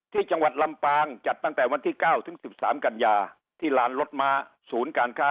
ที่จังหวัดลำปางจัดตั้งแต่วันที่๙ถึง๑๓กันยาที่ลานรถม้าศูนย์การค้า